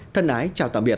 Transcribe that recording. thân ái chào tạm biệt